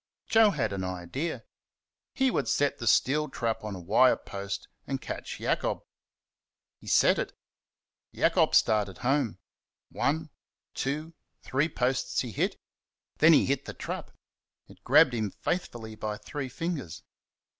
Joe had an idea. He would set the steel trap on a wire post and catch Jacob. He set it. Jacob started home. One, two, three posts he hit. Then he hit the trap. It grabbed him faithfully by three fingers.